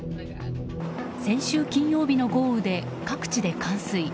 先週金曜日の豪雨で各地で冠水。